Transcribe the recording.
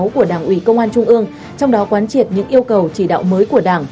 của đảng ủy công an trung ương trong đó quán triệt những yêu cầu chỉ đạo mới của đảng